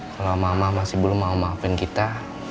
kalau mama masih belum mau maafin kita